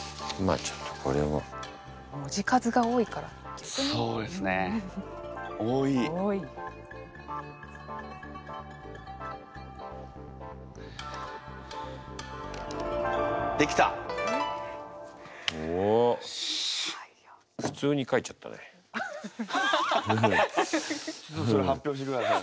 ちょっとそれ発表してください。